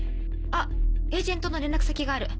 あっエージェントの連絡先がある。